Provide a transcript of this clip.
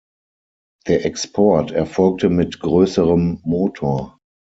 Der Export erfolgte mit größerem Motor.